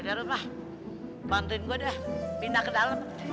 dari rumah bantuin gue dah pindah ke dalam